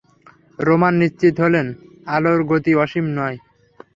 রোমার নিশ্চিত হলেন, আলোর গতি অসীম নয়।